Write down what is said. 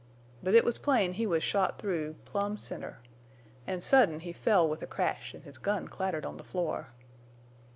But it was plain he was shot through, plumb center. An' sudden he fell with a crash, an' his gun clattered on the floor.